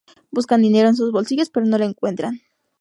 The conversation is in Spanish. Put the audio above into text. Buscan dinero en sus bolsillos, pero no lo encuentran.